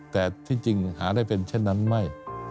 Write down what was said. แต่ที่จริงหาได้เป็นเช่นนั้นไม่